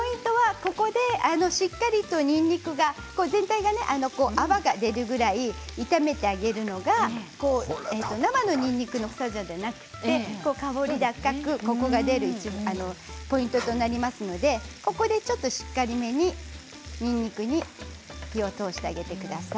ここでしっかりと、にんにくが全体が泡が出るくらい炒めてあげるのが生のにんにくではなくて香り高くコクが出るポイントとなりますのでここでちょっとしっかりめににんにくに火を通してあげてください。